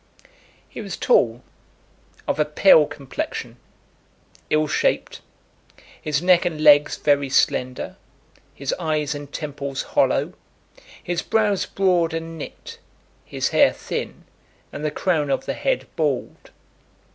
L. He was tall, of a pale complexion, ill shaped, his neck and legs very slender, his eyes and temples hollow, his brows broad and knit, his hair thin, and the crown of the head bald.